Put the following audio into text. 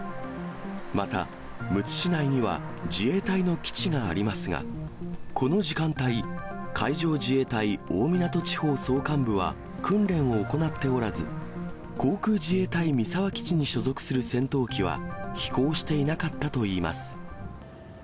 また、むつ市内には自衛隊の基地がありますが、この時間帯、海上自衛隊大湊地方総監部は訓練を行っておらず、航空自衛隊三沢基地に所属する戦闘機は飛行していなかったといいます。